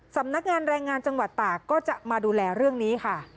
สำนักงานแรงงานจังหวัดตากก็จะมาดูแลเรื่องนี้ค่ะ